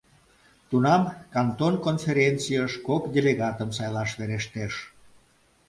Тунам кантон конференцийыш кок делегатым сайлаш верештеш.